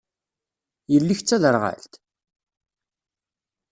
Yelli-k d taderɣalt?